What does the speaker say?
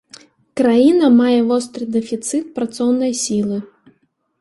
Краіна мае востры дэфіцыт працоўнай сілы.